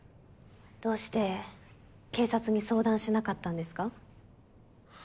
どうして警察に相談しなかったんですか？